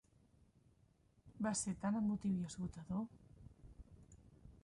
Va ser tan emotiu i esgotador.